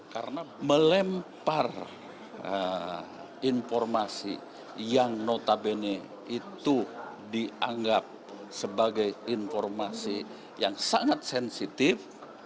karena melempar informasi yang notabene itu dianggap sebagai informasi yang sangat sensitif